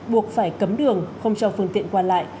buộc phải cấm đường không cho phương tiện qua lại